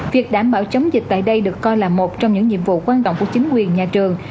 việc đảm bảo chống dịch tại đây được coi là một trong những nhiệm vụ quan trọng của chính quyền nhà trường